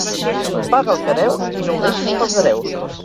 Paga el que deus i no ho deixis pels hereus.